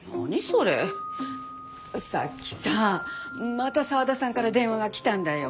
さっきさまた沢田さんから電話が来たんだよ。